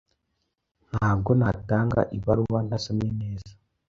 Ntabwo natanga ibaruwa ntasomye neza.